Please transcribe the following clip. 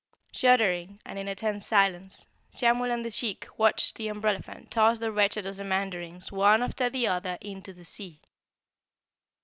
Shuddering and in a tense silence, Samuel and the Sheik watched the umbrellaphant toss the wretched Ozamandarins one after the other into the sea.